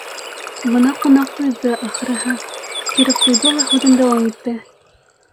Бына ҡунаҡ туйҙы, ахырыһы, кикереп ҡуйҙы ла, һүҙен дауам итте: